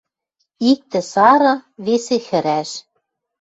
Иктӹ сары, весӹ хӹрӓш